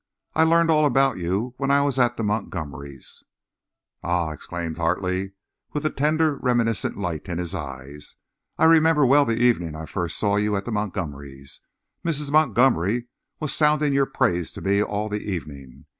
I learned all about you when I was at the Montgomerys'." "Ah!" exclaimed Hartley, with a tender, reminiscent light in his eye; "I remember well the evening I first saw you at the Montgomerys'. Mrs. Montgomery was sounding your praises to me all the evening.